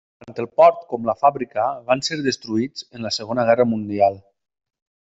Tant el port com la fàbrica van ser destruïts en la Segona Guerra Mundial.